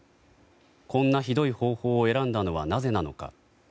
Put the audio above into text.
こんなひどい方法を選んだのはなぜなのか。